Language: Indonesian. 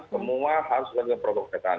semua hal sudah dilakukan protokol kesehatan